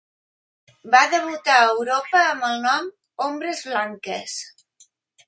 Va debutar a Europa amb el nom "Ombres blanques".